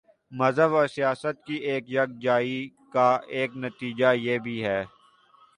مذہب اور سیاست کی یک جائی کا ایک نتیجہ یہ بھی ہے۔